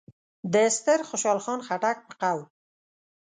د ستر خوشحال خان خټک په قول: